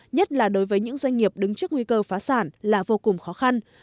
nhất là đối với những doanh nghiệp đứng trước nguy cơ phá sản là vô cùng khó khăn